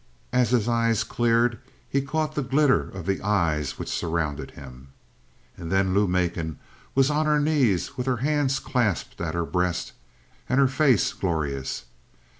As his eyes cleared, he caught the glitter of the eyes which surrounded him. And then Lou Macon was on her knees with her hands clasped at her breast and her face glorious.